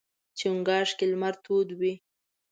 چنګاښ کې لمر تود وي.